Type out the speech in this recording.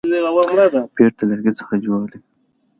بیټ د لرګي څخه جوړ يي.